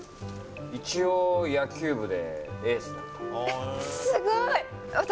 一応、野球部でエースだった。